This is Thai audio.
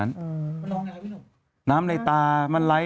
มันลองไหนครับพี่หนุ่ม